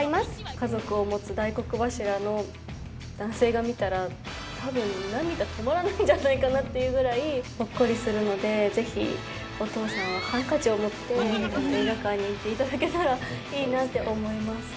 家族を持つ大黒柱の男性が見たら多分涙止まらないんじゃないかなっていうぐらいほっこりするのでぜひお父さんはハンカチを持って映画館に行っていただけたらいいなって思います。